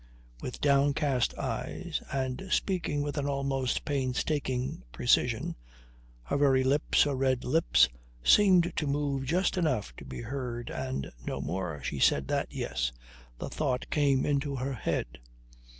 With downcast eyes and speaking with an almost painstaking precision (her very lips, her red lips, seemed to move just enough to be heard and no more), she said that, yes, the thought came into her head.